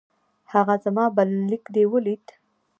هغه زما بلنليک دې ولېد؟